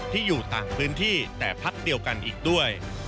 ที่อยู่ต่างพื้นที่แต่พักเดียวกันอีกด้วย